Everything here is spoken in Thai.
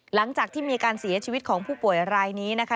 หลังจากที่มีการเสียชีวิตของผู้ป่วยรายนี้นะคะ